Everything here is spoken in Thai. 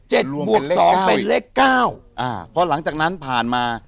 บวกสองเป็นเลขเก้าอ่าพอหลังจากนั้นผ่านมา